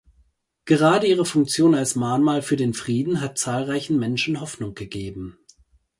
Gerade ihre Funktion als Mahnmal für den Frieden hat zahlreichen Menschen Hoffnung gegeben.